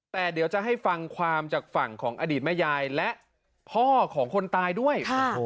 แต่เดี๋ยวจะให้ฟังความจากฝั่งของอดีตแม่ยายและพ่อของคนตายด้วย